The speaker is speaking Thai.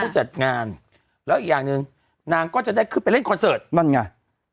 จัดงานแล้วอีกอย่างหนึ่งนางก็จะได้ขึ้นไปเล่นคอนเสิร์ตนั่นไง